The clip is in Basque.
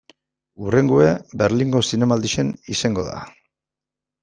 Hurrengoa, Berlingo Zinemaldian izango da.